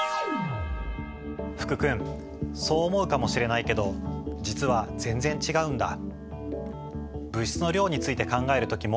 福君そう思うかもしれないけど実は全然違うんだ。